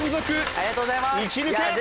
ありがとうございます！